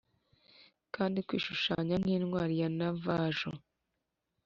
kandi kwishushanya nkintwari ya navajo.